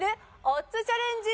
オッズチャレンジ！